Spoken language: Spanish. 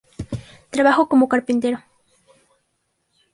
Trabajó como carpintero.